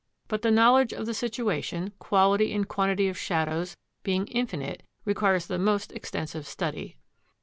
But the knowledge of the situation, quality and quantity of shadows, being infinite, requires the most extensive study."